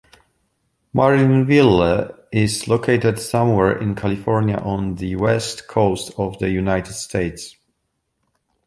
Marineville is located somewhere in California, on the West Coast of the United States.